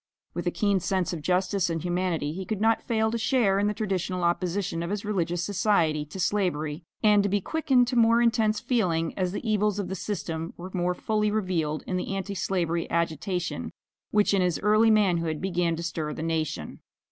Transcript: With a keen sense of justice and humanity, he could not fail to share in the traditional opposition of his religious society to slavery, and to be quickened to more intense feeling as the evils of the system were more fully revealed in the Anti slavery agitation which in his early manhood began to stir the nation.